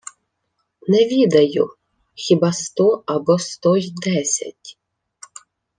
— Не відаю. Хіба сто або сто й десять...